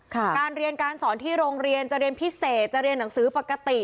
การเรียนการสอนที่โรงเรียนจะเรียนพิเศษจะเรียนหนังสือปกติ